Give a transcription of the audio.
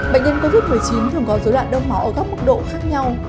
bệnh nhân covid một mươi chín thường có dấu loạn đông máu ở các mục độ khác nhau